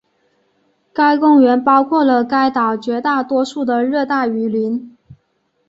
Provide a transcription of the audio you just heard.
该公园包括了该岛绝大多数的热带雨林。